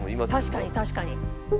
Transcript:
確かに確かに。